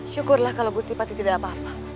syukurlah kalau gusti patih tidak apa apa